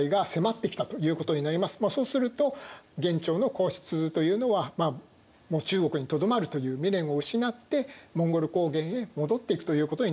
まあそうすると元朝の皇室というのはもう中国にとどまるという未練を失ってモンゴル高原へ戻っていくということになっていったわけですね。